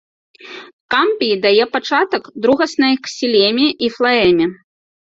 Камбій дае пачатак другаснай ксілеме і флаэме.